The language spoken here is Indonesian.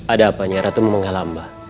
ada apanya ratu menghalamba